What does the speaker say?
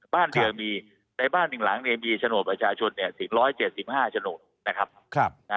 บ้านเพียงมีในบ้านหนึ่งหลังมีชโนตประชาชน๑๗๕ชโนต